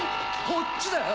こっちだよ！